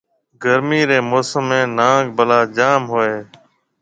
گرمي رَي موسم ۾ نانگ ، بلا جام ھوئيَ ھيََََ